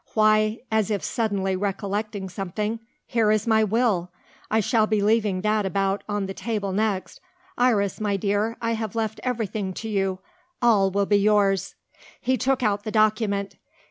"Why" as if suddenly recollecting something "here is my will. I shall be leaving that about on the table next. Iris, my dear, I have left everything to you. All will be yours." He took out the document.